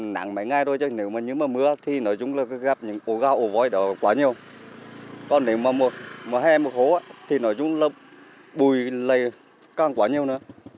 nắng mấy ngày thôi chứ nếu mà như mưa thì nói chung là gặp những ổ gạo ổ vôi đó quá nhiều còn nếu mà mùa hè mùa khố thì nói chung là bùi lầy càng quá nhiều nữa